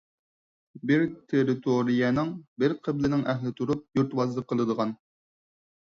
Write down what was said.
بىر تېررىتورىيەنىڭ، بىر قىبلىنىڭ ئەھلى تۇرۇپ يۇرتۋازلىق قىلىدىغان.